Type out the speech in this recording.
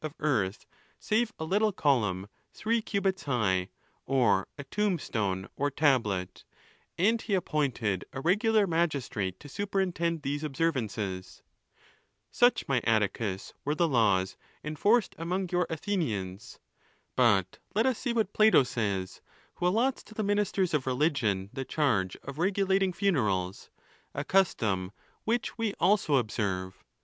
of earth, save a little column, three cubits high, or a tomb stone, or tablet ; and he appointed a regular magistrate to superintend these observances. XXVII. Such, my Atticus, were the laws enforced among your Athenians. But let us see what Plato says, who allots to the ministers of religion the charge of regulating funerals, a custom which we also observe.